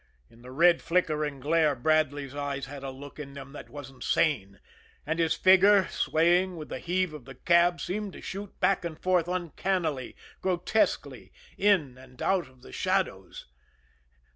In the red, flickering glare, Bradley's eyes had a look in them that wasn't sane, and his figure, swaying with the heave of the cab, seemed to shoot back and forth uncannily, grotesquely, in and out of the shadows.